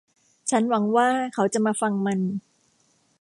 ฉันหวังว่าเขาจะมาฟังมัน